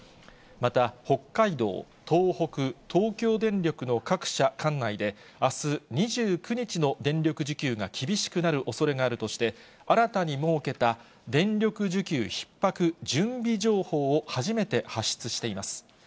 また、北海道、東北、東京電力の各社管内で、あす２９日の電力需給が厳しくなるおそれがあるとして、新たに設けた電力需給ひっ迫準備情報を初めて発出しています。